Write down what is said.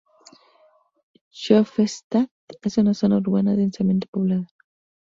Josefstadt es una zona urbana densamente poblada.